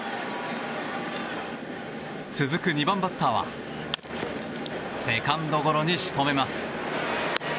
続く２番バッターはセカンドゴロに仕留めます。